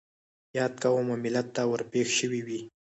ياد قوم او ملت ته ور پېښ شوي وي.